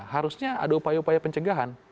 harusnya ada upaya upaya pencegahan